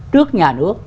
trước nhà nước